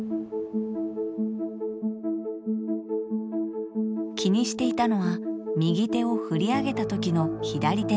気にしていたのは右手を振り上げた時の左手の指先。